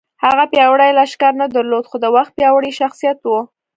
هغه پیاوړی لښکر نه درلود خو د وخت پیاوړی شخصیت و